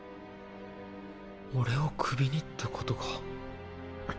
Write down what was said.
俺をクビにってことか。